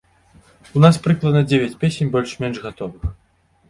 У нас прыкладна дзевяць песень больш-менш гатовых.